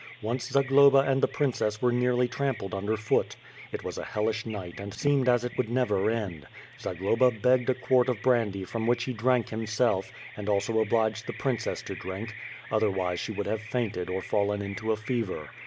Onje Zagloba and the princess were nearly trampled under foot. It was a hellish night and seemed as it would never end. Zagloba begged a quart of brandy from which he drank himself, and also obliged the princess to drink; otherwise she would have fainted or fallen into a fever.